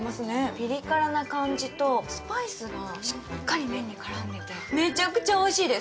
ピリ辛な感じとスパイスがしっかり麺に絡んでて、おいしいです。